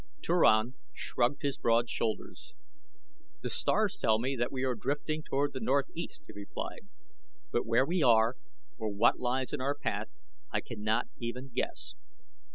Turan shrugged his broad shoulders. "The stars tell me that we are drifting toward the northeast," he replied, "but where we are, or what lies in our path I cannot even guess.